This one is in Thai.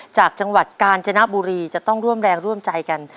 จากจังหวัดกาญจนบุรีจะต้องร่วมแรงร่วมใจกัน